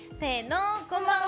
こんばんは。